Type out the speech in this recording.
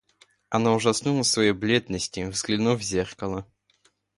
Она ужаснулась своей бледности, взглянув в зеркало.